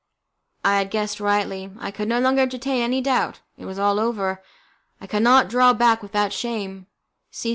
I had guessed rightly. I could no longer entertain any doubt. It was all over; I could not draw back without shame.